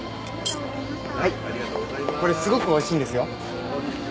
はいこれすごくおいしいんですよ。